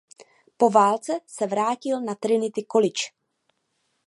Po válce se vrátil na Trinity College.